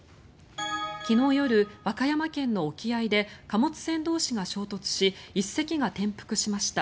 昨日夜、和歌山県の沖合で貨物船同士が衝突し１隻が転覆しました。